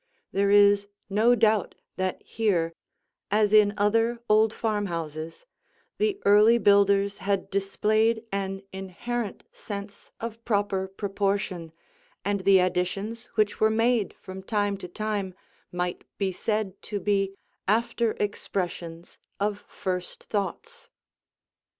There is no doubt that here, as in other old farmhouses, the early builders had displayed an inherent sense of proper proportion, and the additions which were made from time to time might be said to be after expressions of first thoughts.